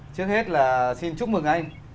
trước hết là xin chúc mừng anh